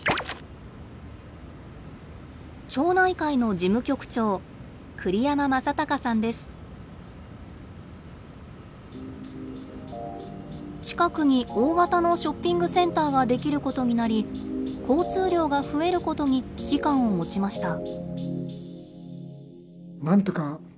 町内会の事務局長近くに大型のショッピングセンターができることになり交通量が増えることに危機感を持ちました。